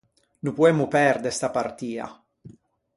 No poemmo perde sta partia.